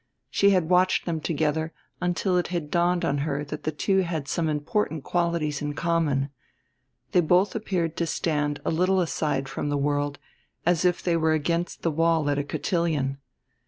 She had watched them together until it had dawned on her that the two had some important qualities in common they both appeared to stand a little aside from the world, as if they were against the wall at a cotillion.